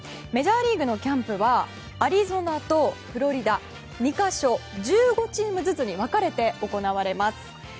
メジャーリーグのキャンプはアリゾナとフロリダ、２か所１５チームずつに分かれて行われます。